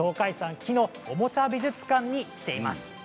木のおもちゃ美術館に来ています。